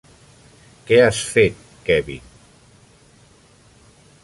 Què has fet, Kevin?